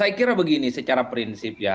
saya kira begini secara prinsip ya